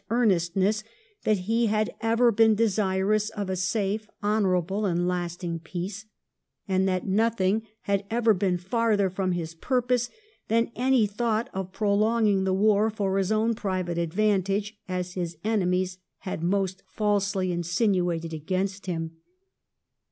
]11 earnestness that he had ever been desirous of a safe, honourable, and lasting peace, and that nothing had ever been farther from his purpose than any thought of prolonging the war for his own private advantage, as his enemies had most falsely insinuated against him.